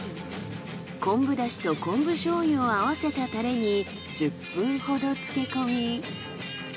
昆布だしと昆布醤油を合わせたたれに１０分ほど漬け込み。